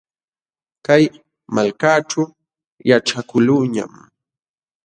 Kay malkaćhu yaćhakaqluuñam.